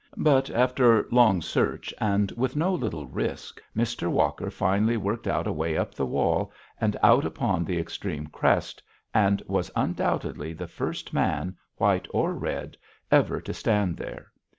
But after long search, and with no little risk, Mr. Walker finally worked out a way up the wall, and out upon the extreme crest, and was undoubtedly the first man, white or red, ever to stand there.